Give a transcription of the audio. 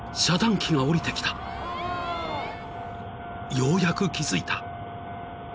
［ようやく気付いた］